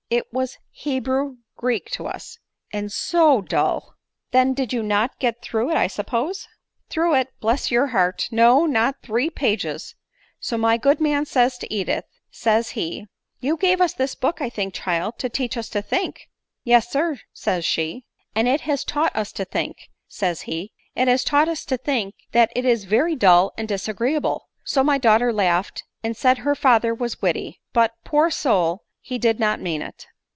it was Hebrew Greek to us — and so dull !"" Then you did not get through it I suppose ?"" Through it, bless your heart ! No— not three pages I | So my good man says to Edith, says he, ' you gave us ! this book, I think, child, to teach us to think ?'' Yes sir, 9 i says she. ' And it has taught us to think, ' says he ;' it has taught to think that it is very dull and disagreeable. 9 So my daughter laughed, and said her father was witty ; but, poor soul he did not mean it.